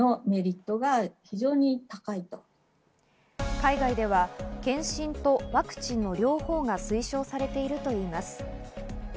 海外では検診とワクチンの両方が推奨されているといいます。